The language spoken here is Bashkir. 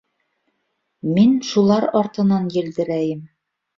— Мин шулар артынан елдерәйем.